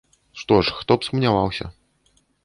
Што ж, хто б сумняваўся.